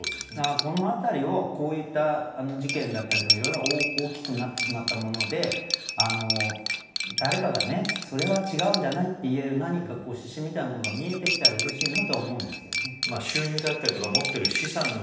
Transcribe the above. このあたりをこういった事件だったりいろんな大きくなってしまったもので誰かがそれは違うんじゃないって言える何か指針みたいなものが見えてきたらうれしいなとは思うんですけどね。